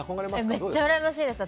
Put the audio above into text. めっちゃうらやましいんですよ